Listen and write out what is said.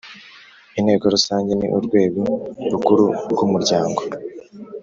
Inteko Rusange ni urwego rukuru rw umuryango